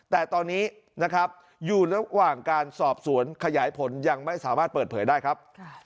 แต่ตอนนี้นะครับอยู่ระหว่างการสอบสวนขยายผลยังไม่สามารถเปิดเผยได้ครับ